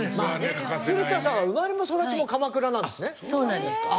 鶴田さんは生まれも育ちも鎌倉なんですね。